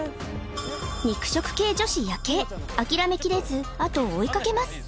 肉食系女子ヤケイ諦めきれずあとを追いかけます